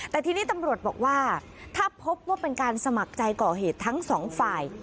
แต่ทีนี้ตำรวจบอกว่าถ้าพบว่าเป็นการสมัครใจก่อเหตุทั้งสองฝ่าย